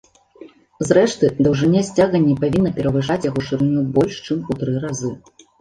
Зрэшты, даўжыня сцяга не павінна перавышаць яго шырыню больш, чым у тры разы.